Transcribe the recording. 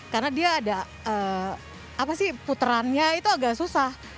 karena dia ada apa sih puterannya itu agak susah